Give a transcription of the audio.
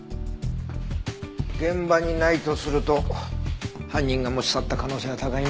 現場にないとすると犯人が持ち去った可能性が高いね。